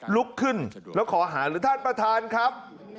ลุกขึ้นแล้วขอหาหรือท่านประธานครับ